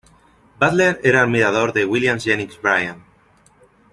Butler era admirador de William Jennings Bryan.